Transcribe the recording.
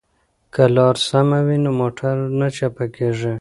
که لار سمه وي نو موټر نه چپه کیږي.